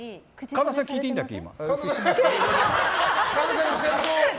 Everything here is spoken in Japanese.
神田さん聞いていいんだっけ？